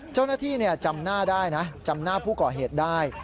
เจ้าหน้าที่จำหน้าได้นะจำหน้าผู้ก่อเหตุได้